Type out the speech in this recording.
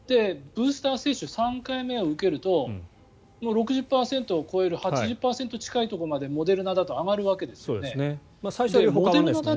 ブースター接種３回目を受けるともう６０％を超える８０％近いところまでモデルナだと上がるわけですよね。